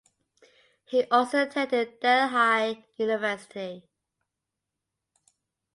He also attended Delhi University.